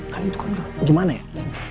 kan itu kan gimana ya